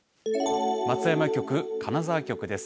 松山局、金沢局です。